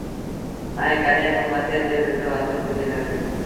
ائيٚݩ ڪڏهين با مٿي تي پنڊرو هٿ ڪونهيٚ رکي